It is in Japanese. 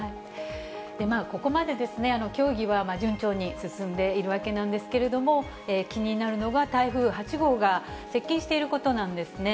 ここまで競技は順調に進んでいるわけなんですけれども、気になるのが、台風８号が接近していることなんですね。